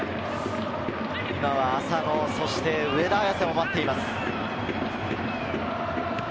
浅野、上田綺世も待っています。